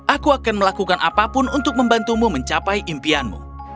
aku akan melakukan apapun untuk membantumu mencapai impianmu